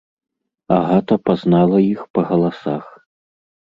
Агата пазнала іх па галасах.